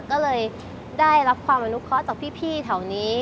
ก็เลยได้รับความอนุเคราะห์จากพี่แถวนี้